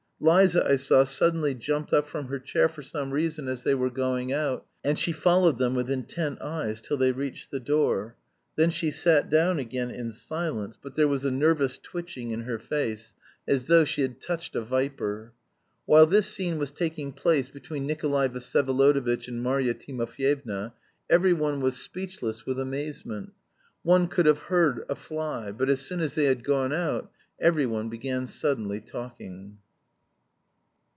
Liza, I saw, suddenly jumped up from her chair for some reason as they were going out, and she followed them with intent eyes till they reached the door. Then she sat down again in silence, but there was a nervous twitching in her face, as though she had touched a viper. While this scene was taking place between Nikolay Vsyevolodovitch and Marya Timofyevna every one was speechless with amazement; one could have heard a fly; but as soon as they had gone out, every one began suddenly talking.